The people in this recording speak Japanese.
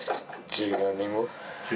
十何年後？